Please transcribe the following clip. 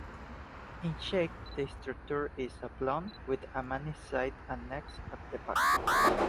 In shape the structure is oblong, with a many-sided annex at the back.